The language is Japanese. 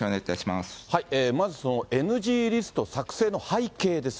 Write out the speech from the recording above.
まずそのＮＧリスト作成の背景です。